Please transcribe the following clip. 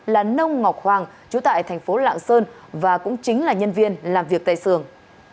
là nông ngọc hoàng chú tại thành phố lạng sơn và cũng chính là nhân viên làm việc tại xưởng